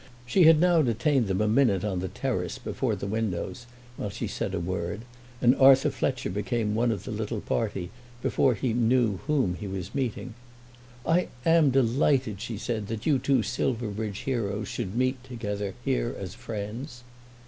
She had now detained them a minute on the terrace before the windows while she said a word, and Arthur Fletcher became one of the little party before he knew whom he was meeting. "I am delighted," she said, "that you two Silverbridge heroes should meet together here as friends."